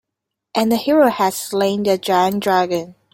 And the hero has slain the giant dragon.